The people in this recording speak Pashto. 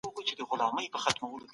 پرمختيا د انسان د ژوند کيفيت ښه کوي.